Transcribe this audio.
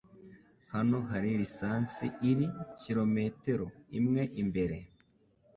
Hano hari lisansi iri kilometero imwe imbere.